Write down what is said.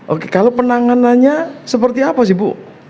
oke kalau penanganannya seperti apa sih bu